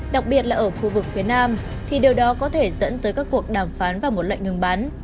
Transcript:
đặc biệt là ở khu vực phía nam thì điều đó có thể dẫn tới các cuộc đàm phán và một lệnh ngừng bắn